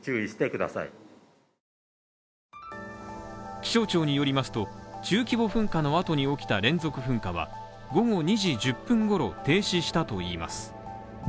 気象庁によりますと、中規模噴火の後に起きた連続噴火は午後２時１０分ごろ、停止したといいます。